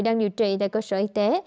đang điều trị tại cơ sở y tế